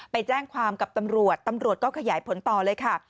ไปแจ้งความกับตำรวจตำรวจก็ขยายผลต่อเลยค่ะ